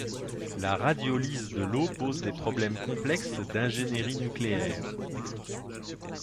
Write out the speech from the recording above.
La radiolyse de l'eau pose des problèmes complexes d'ingénierie nucléaire.